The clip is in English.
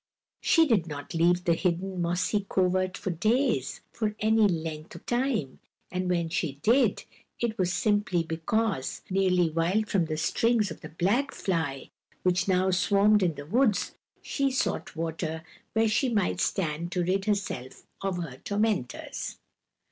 She did not leave the hidden, mossy covert for days, for any length of time, and when she did, it was simply because, nearly wild from the stings of the black fly, which now swarmed in the woods, she sought water where she might stand to rid herself of her tormentors.